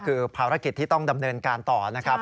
คือภารกิจที่ต้องดำเนินการต่อนะครับ